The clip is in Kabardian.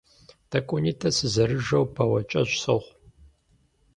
Тӏэкӏунитӏэ сызэрыжэу бауэкӏэщӏ сохъу.